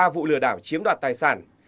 ba vụ lừa đảo chiếm đoạt tài sản